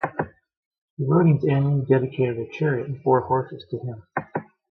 The Rhodians annually dedicated a chariot and four horses to him.